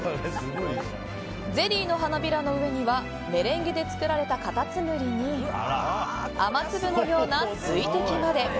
ゼリーの花びらの上にはメレンゲで作られたカタツムリに雨粒のような水滴まで。